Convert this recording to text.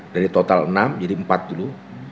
jadi total enam jadi empat dulu